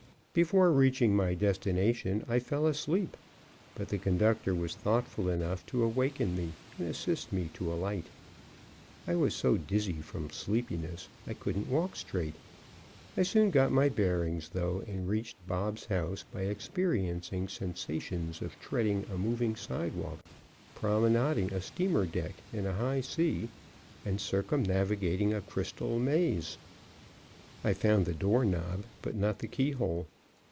Before reaching my destination I fell asleep. But the conductor was thoughtful enough to awaken me and assist me to alight. I was so dizzy from sleepiness, I couldn't walk straight. I soon got my bearings, though, and reached Bob's house by experiencing sensations of treading a moving sidewalk, promenading a steamer deck in a high sea, and circumnavigating a crystal maze. I found the door knob but not the key hole.